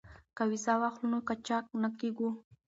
که ویزه واخلو نو قاچاق نه کیږو.